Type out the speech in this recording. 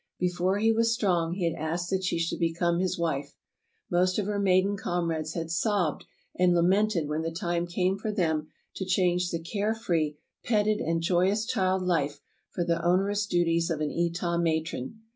Before he was strong, he had asked that she should become his wife. Most of her maiden comrades had sobbed and lamented when the time came for them to change the care free, petted, and joyous child life for the onerous duties of an Etah matron.